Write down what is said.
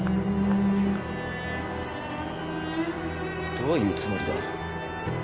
どういうつもりだ？